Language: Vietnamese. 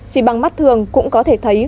chỉ bằng mắt thường cũng có thể thấy